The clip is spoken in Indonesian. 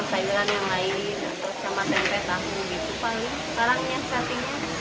nanti sama sayuran yang lain sama tempe tauko bumi itu paling